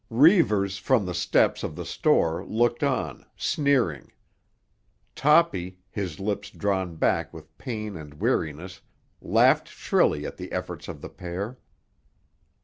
Reivers from the steps of the store looked on, sneering. Toppy, his lips drawn back with pain and weariness, laughed shrilly at the efforts of the pair.